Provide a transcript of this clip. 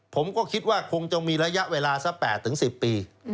ผมก็คิดว่าคงจะมีระยะเวลาสัก๘๑๐ปี